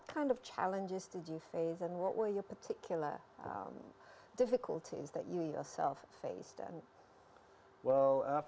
dari banyak orang sekarang